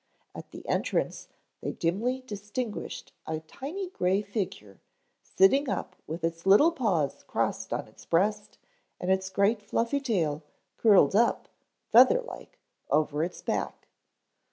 At the entrance they dimly distinguished a tiny gray figure, sitting up with its little paws crossed on its breast and its great, fluffy tail curled up, feather like, over its back.